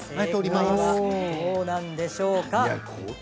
どうなんでしょうか。